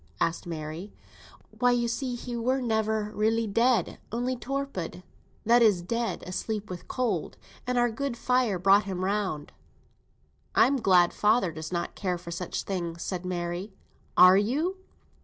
asked Mary. "Why, you see, he were never really dead, only torpid that is, dead asleep with the cold, and our good fire brought him round." "I'm glad father does not care for such things," said Mary. "Are you!